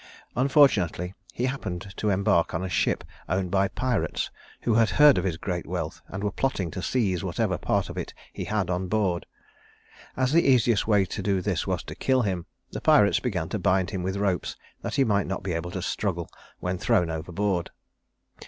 Unfortunately he happened to embark on a ship owned by pirates who had heard of his great wealth, and were plotting to seize whatever part of it he had on board. As the easiest way to do this was to kill him, the pirates began to bind him with ropes that he might not be able to struggle when thrown over board.